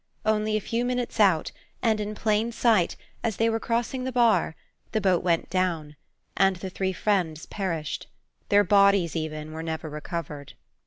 Only a few minutes out, and in plain sight, as they were crossing the bar, the boat went down, and the three friends perished. Their bodies even were never recovered.